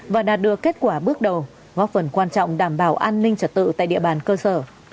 và đạt được kết quả bước đầu góp phần quan trọng đảm bảo an ninh trật tự tại địa bàn cơ sở